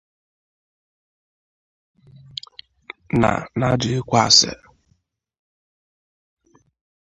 na na-ajughịkwa ase.